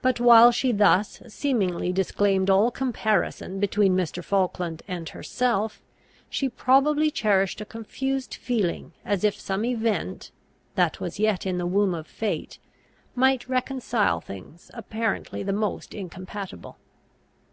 But, while she thus seemingly disclaimed all comparison between Mr. Falkland and herself, she probably cherished a confused feeling as if some event, that was yet in the womb of fate, might reconcile things apparently the most incompatible.